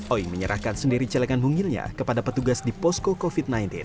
oi menyerahkan sendiri celengan mungilnya kepada petugas di posko covid sembilan belas